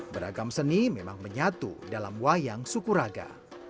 beragam seni memang menyatu dalam wayang sukuraga